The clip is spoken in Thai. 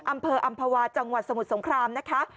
อำเภออำภาวาจังหวัดสมุทรสงครามนะคะ